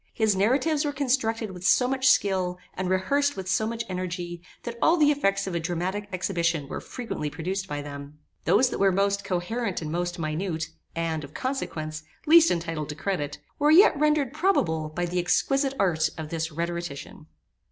His narratives were constructed with so much skill, and rehearsed with so much energy, that all the effects of a dramatic exhibition were frequently produced by them. Those that were most coherent and most minute, and, of consequence, least entitled to credit, were yet rendered probable by the exquisite art of this rhetorician.